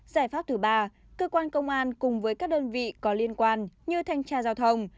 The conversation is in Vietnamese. giải pháp thứ ba cơ quan công an cùng với các đơn vị có liên quan như thanh tra giao thông